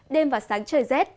đêm và sáng trời rét